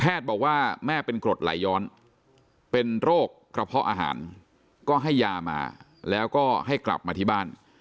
บอกว่าแม่เป็นกรดไหลย้อนเป็นโรคกระเพาะอาหารก็ให้ยามาแล้วก็ให้กลับมาที่บ้าน